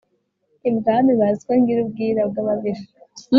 ibwami bazi ko ngira ubwira bw'ababisha.